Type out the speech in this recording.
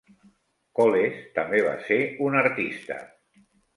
Coles també va ser un artista.